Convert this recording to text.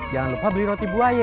jangan lupa beli roti buah ye